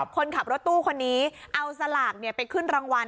คนขับรถตู้คนนี้เอาสลากไปขึ้นรางวัล